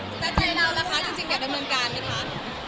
เกี่ยวกับดังเมืองกาลไหมคะ